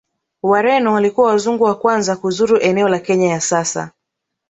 Wareno walikuwa Wazungu wa kwanza kuzuru eneo la Kenya ya sasa